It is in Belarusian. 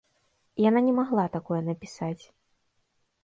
Яна не магла такое напісаць.